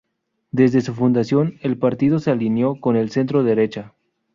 Desde su fundación, el partido se alió con el centro-derecha.